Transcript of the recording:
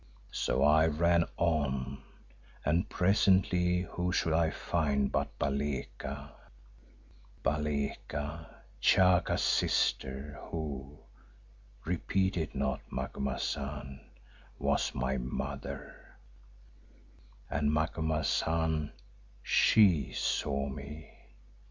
So I ran on and presently who should I find but Baleka, Baleka, Chaka's 'sister' who—repeat it not, Macumazahn—was my mother; and, Macumazahn, she saw me.